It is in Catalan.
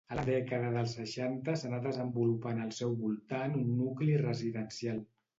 A la dècada dels seixanta s'anà desenvolupant al seu voltant un nucli residencial.